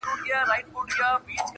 له سنگر څخه سنگر ته خوځېدلی!!